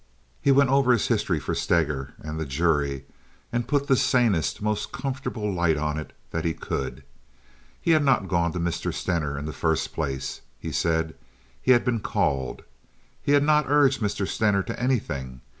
He went over his history for Steger and the jury, and put the sanest, most comfortable light on it that he could. He had not gone to Mr. Stener in the first place, he said—he had been called. He had not urged Mr. Stener to anything.